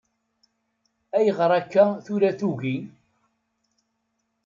Ayɣeṛ akka tura tugi.